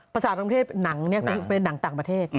ภาษาต่างประเทศหนังนี่เป็นหนังต่างประเทศ